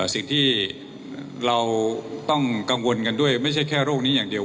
สิ่งที่เราต้องกังวลกันด้วยไม่ใช่แค่โรคนี้อย่างเดียว